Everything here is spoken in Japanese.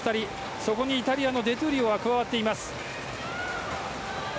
そこにイタリアのデ・トゥーリオ加わっています。